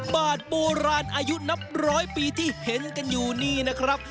บาทโบราณอายุนับร้อยปีที่เห็นกันอยู่นี่นะครับ